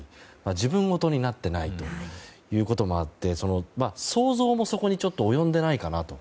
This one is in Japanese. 自分ごとになっていないこともあって、想像もそこに及んでいないかなと。